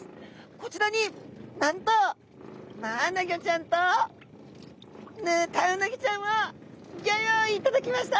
こちらになんとマアナゴちゃんとヌタウナギちゃんをギョよういいただきました！